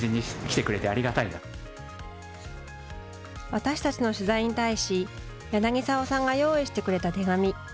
私たちの取材に対し柳澤さんが用意してくれた手紙。